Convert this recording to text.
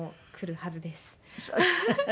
そうですか。